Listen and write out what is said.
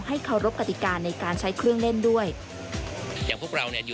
ให้เคารพกติการในการใช้เครื่องเล่นด้วย